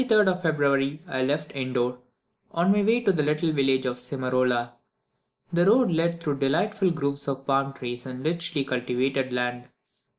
On the 23rd of February I left Indor on my way to the little village of Simarola. The road led through delightful groves of palm trees and richly cultivated land.